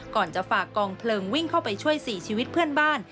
ก่อนจะฝากกองเพลิงวิ่งเข้าไปช่วย๔ชีวิตเพื่อนบ้าน